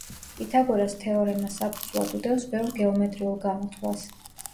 პითაგორას თეორემა საფუძვლად უდევს ბევრ გეომეტრიულ გამოთვლას.